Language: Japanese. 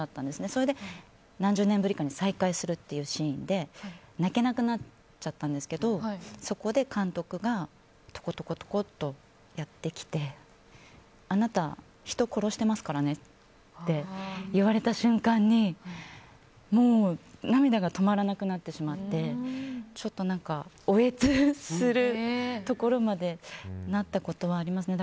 それで何十年ぶりかに再会するというシーンで泣けなくなっちゃったんですけどそこで監督がトコトコとやってきてあなた、人殺してますからねって言われた瞬間に涙が止まらなくなってしまってちょっと嗚咽するところまでなったことはありますね。